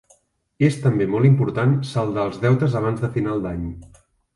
És també molt important saldar els deutes abans de final d'any.